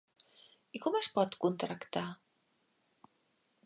I com es pot contractar?